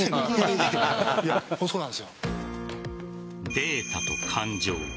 データと感情。